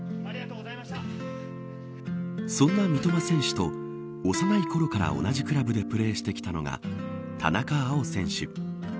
そんな三笘選手と幼いころから同じクラブでプレーしてきたのが田中碧選手。